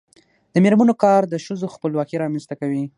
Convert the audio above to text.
د میرمنو کار د ښځو خپلواکي رامنځته کوي.